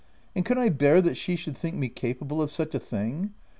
And could I bear that she should think me capable of such a thing